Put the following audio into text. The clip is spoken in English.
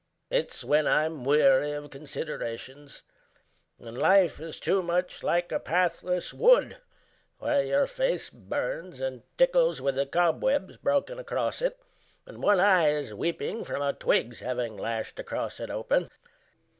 It's when I'm weary of considerations, And life is too much like a pathless wood Where your face burns and tickles with the cobwebs Broken across it, and one eye is weeping From a twig's having lashed across it open.